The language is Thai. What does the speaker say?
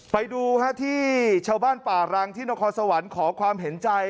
ไปดูที่ชาวบ้านป่ารังที่นครสวรรค์ขอความเห็นใจ